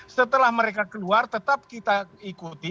setelah mereka keluar tetap kita ikuti